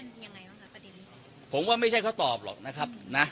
อันนี้มันยังไงหรอครับประเด็นผมว่าไม่ใช่เขาตอบหรอกนะครับน่ะ